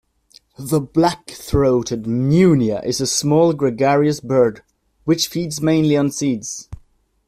The black-throated munia is a small gregarious bird which feeds mainly on seeds.